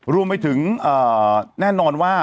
รวมไปถึงแน่นอนว่า